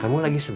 kamu lagi sedang